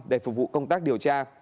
để phục vụ công tác điều tra